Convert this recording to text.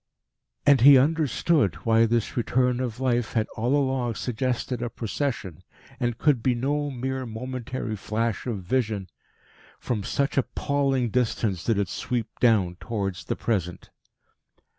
And he understood why this return of life had all along suggested a Procession and could be no mere momentary flash of vision. From such appalling distance did it sweep down towards the present.